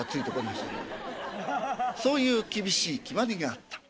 そういう厳しい決まりがあった。